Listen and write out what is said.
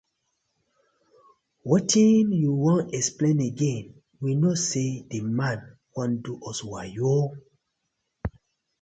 Wetin yu won explain again, we kno sey the man wan do us wayo.